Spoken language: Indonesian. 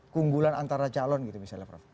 keunggulan antara calon gitu misalnya prof